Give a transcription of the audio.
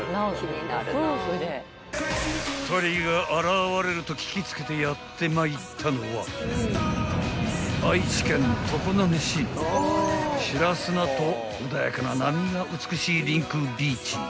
［２人が現れると聞き付けてやってまいったのは愛知県常滑市の白砂と穏やかな波が美しい］